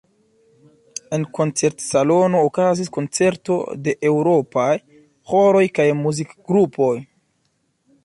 En koncertsalono okazis koncerto de eŭropaj ĥoroj kaj muzikgrupoj.